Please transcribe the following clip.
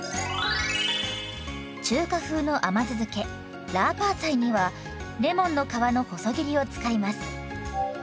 中華風の甘酢漬けラーパーツァイにはレモンの皮の細切りを使います。